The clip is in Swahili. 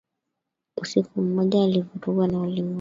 Usiku mmoja alivurugwa na ulimi wake